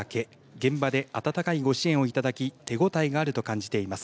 現場で温かいご支援をいただき手応えがあると感じています。